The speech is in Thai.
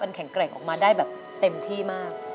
แข็งแกร่งออกมาได้แบบเต็มที่มาก